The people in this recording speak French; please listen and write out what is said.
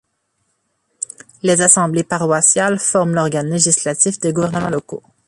Les assemblées paroissiales forment l'organe législatif des gouvernement locaux.